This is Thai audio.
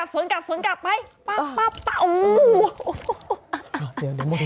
สวนกลับสวนกันไปป้าป้าแป้งอู้โฮโยโหโหโย